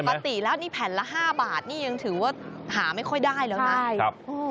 ปกติแล้วนี่แผ่นละ๕บาทนี่ยังถือว่าหาไม่ค่อยได้แล้วนะใช่ครับ